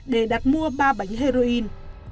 để đặt mua ba bánh heroin